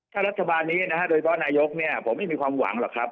ถ้ารัฐบาลนี้นะฮะโดยเฉพาะนายกผมไม่มีความหวังหรอกครับ